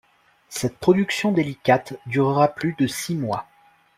Cette production délicate durera plus de six mois.